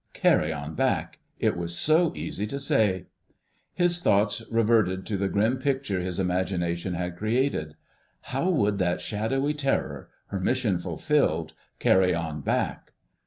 Carry on back! It was so easy to say. His thoughts reverted to the grim picture his imagination had created. How would that shadowy Terror, her mission fulfilled, "carry on back"?